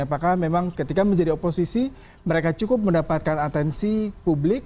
apakah memang ketika menjadi oposisi mereka cukup mendapatkan atensi publik